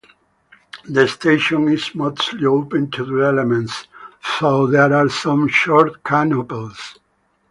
The station is mostly open to the elements, though there are some short canopies.